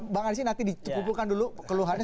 bang ansin nanti dikumpulkan dulu keluhannya